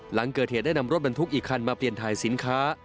หลังเกิดเหตุได้นำรถบรรทุกอีกคันมาเปลี่ยนถ่ายสินค้า